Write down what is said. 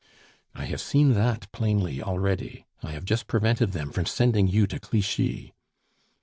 "I have seen that plainly already; I have just prevented them from sending you to Clichy."